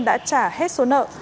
đã trả hết số nợ